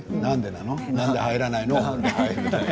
なんで入らないの？